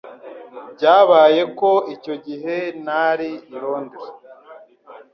Byabaye ko icyo gihe ntari i Londres.